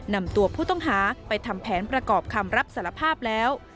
นำตัวผู้ต้องหาไปทำแผนประกอบคำรับสารภาพแล้ว